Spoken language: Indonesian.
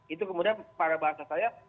itu kemudian pada bahasa saya